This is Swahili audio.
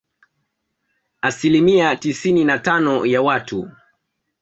Asilimia tisini na tano ya watu